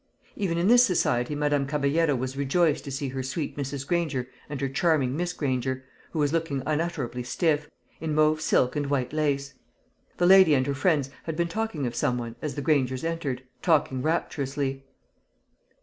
Even in this society Madame Caballero was rejoiced to see her sweet Mrs. Granger and her charming Miss Granger, who was looking unutterably stiff, in mauve silk and white lace. The lady and her friends had been talking of some one as the Grangers entered, talking rapturously.